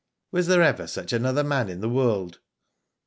Was there ever such another man in the world